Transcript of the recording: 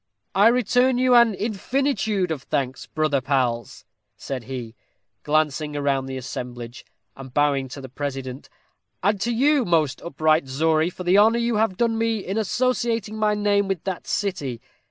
"I return you an infinitude of thanks, brother pals," said he, glancing round the assemblage; and bowing to the president, "and to you, most upright Zory, for the honor you have done me in associating my name with that city.